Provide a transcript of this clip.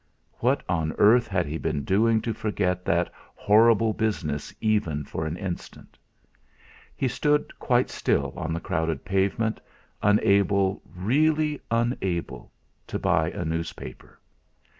What on earth had he been doing to forget that horrible business even for an instant? He stood quite still on the crowded pavement, unable, really unable, to buy a paper.